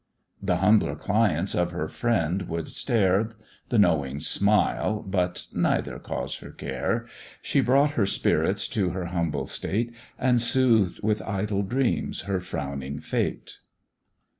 The humbler clients of her friend would stare, The knowing smile, but neither caused her care; She brought her spirits to her humble state, And soothed with idle dreams her frowning fate.